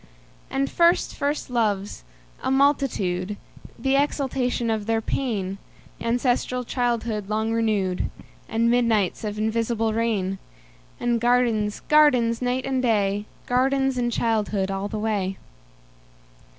And first first loves, a multitude, The exaltation of their pain; Ancestral childhood long renewed; And midnights of invisible rain; And gardens, gardens, night and day, Gardens and childhood all the way.